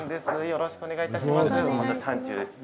よろしくお願いします。